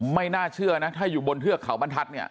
ไม่น่าเชื่อนะถ้าอยู่บนเทือกเขาบรรทัศน์เนี่ย